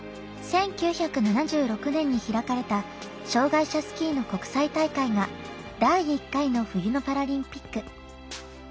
１９７６年に開かれた障がい者スキーの国際大会が第１回の冬のパラリンピック。